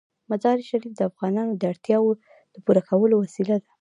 مزارشریف د افغانانو د اړتیاوو د پوره کولو وسیله ده.